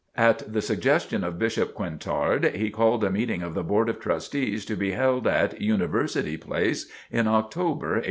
At the suggestion of Bishop Quintard, he called a meeting of the Board of Trustees to be held at "University Place" in October, 1866.